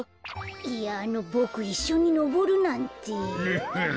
いやあのボクいっしょにのぼるなんて。おっほん。